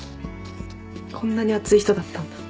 こんなに熱い人だったんだ。